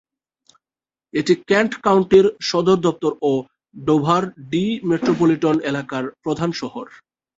এটি কেন্ট কাউন্টির সদর দপ্তর ও ডোভার-ডিই মেট্রোপলিটন এলাকার প্রধান শহর।